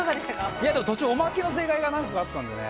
いや途中オマケの正解が何個かあったんでね。